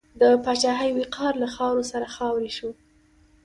د پاچاهۍ وقار له خاورو سره خاورې شو.